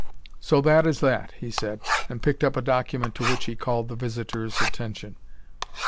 "So that is that," he said, and picked up a document to which he called the visitor's attention.